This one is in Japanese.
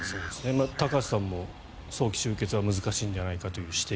高橋さんも早期終結は難しいのではという指摘